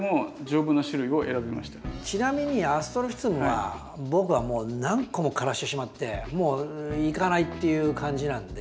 ちなみにアストロフィツムは僕はもう何個も枯らしてしまってもういかないっていう感じなんで。